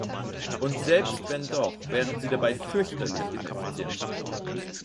Und selbst wenn doch, wären sie dabei fürchterlich ineffizient.